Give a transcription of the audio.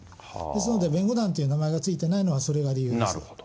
ですので、弁護団という名前が付いてないのはそれが理由です。